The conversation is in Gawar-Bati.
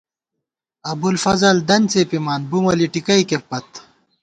ابُوالفضل دَن څېپِمان ، بُمہ لِٹِکئیکے پت